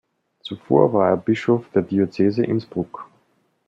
Zuvor war er Bischof der Diözese Innsbruck.